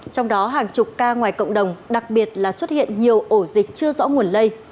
trong đó hàng chục ca ngoài cộng đồng đặc biệt là xuất hiện nhiều ổ dịch chưa rõ nguồn lây